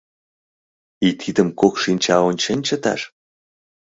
И тидым кок шинча ончен чыташ?!